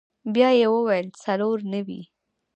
بيا يې وويل څلور نوي.